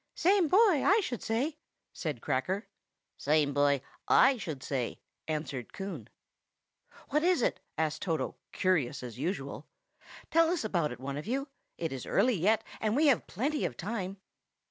"Same boy, I should say!" said Cracker. "Same boy, I should say!" answered Coon. "What is it?" asked Toto, curious as usual. "Tell us about it, one of you! It is early yet, and we have plenty of time."